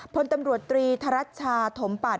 พลตำรวจตรีธรัชชาถมปัต